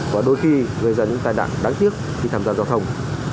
và đôi khi gây ra những tai nạn đáng tiếc khi tham gia giao thông